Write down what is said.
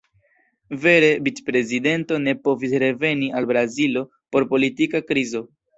Vere, vic-prezidento ne povis reveni al Brazilo por politika krizo.